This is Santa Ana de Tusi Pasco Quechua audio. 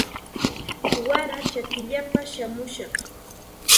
Waray chakillapa shamushaq